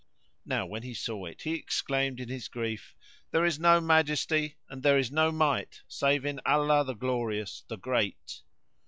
Now when he saw it, he exclaimed in his grief, "There is no Majesty, and there is no Might save in Allah the Glorious, the Great!"